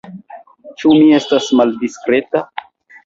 Ĉu mi estas maldiskreta?